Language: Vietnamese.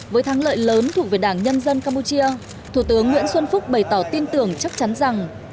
với thắng lợi lớn thuộc về đảng nhân dân campuchia thủ tướng nguyễn xuân phúc bày tỏ tin tưởng chắc chắn rằng